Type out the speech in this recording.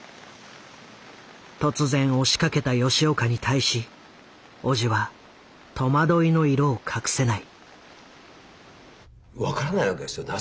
突然押しかけた吉岡に対し叔父は戸惑いの色を隠せない。